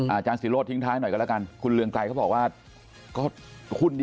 อาจารย์สิรวจทิ้งท้ายหน่อยก็แล้วกัน